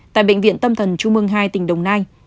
tại bệnh viện tâm thần trung mương hai tỉnh đồng nai